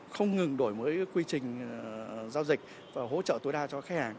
không ngừng đổi mới quy trình giao dịch và hỗ trợ tối đa cho khách hàng